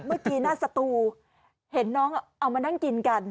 เมื่อกี้หน้าสตูเห็นน้องเอามานั่งกินกัน